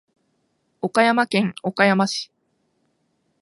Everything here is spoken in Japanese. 岡山県岡山市